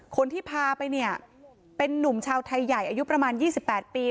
คนที่พาไปเนี่ยเป็นนุ่มชาวไทยใหญ่อายุประมาณ๒๘ปี